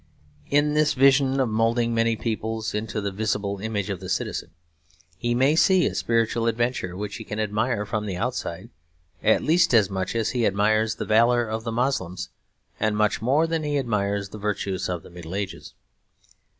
In this vision of moulding many peoples into the visible image of the citizen, he may see a spiritual adventure which he can admire from the outside, at least as much as he admires the valour of the Moslems and much more than he admires the virtues of the Middle Ages.